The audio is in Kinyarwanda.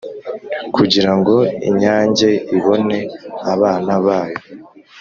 kugira ngo inyange ibone abana bayo